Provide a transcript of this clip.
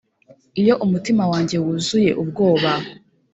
iyo umutima wanjye wuzuye ubwoba,